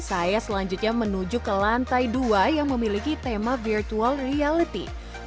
saya selanjutnya menuju ke lantai dua yang memiliki tema virtual reality